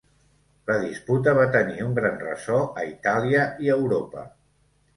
La disputa va tenir un gran ressò a Itàlia i Europa.